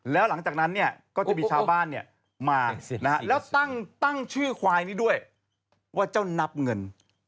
แล้วหลังจากนั้นเนี่ยก็จะมีชาวบ้านมาแล้วตั้งชื่อควายนี้ด้วยว่าเจ้านับเงิน